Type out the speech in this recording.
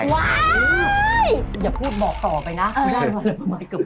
อย่าพูดบอกต่อไปนะ